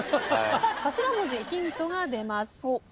頭文字ヒントが出ます。